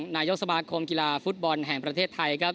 นายกสมาคมกีฬาฟุตบอลแห่งประเทศไทยครับ